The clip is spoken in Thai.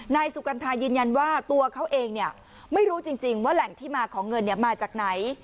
นายสุกัณฑายืนยันว่าตัวเขาเองไม่รู้จริงว่าแหล่งที่มาของเงินมาจากไหน